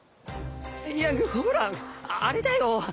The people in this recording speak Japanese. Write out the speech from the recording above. いやほらあれだよ。